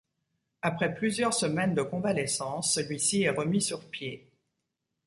Après plusieurs semaines de convalescence, celui-ci est remis sur pied.